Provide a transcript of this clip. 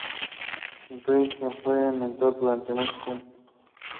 He sat on the General Council of the Beja Airport.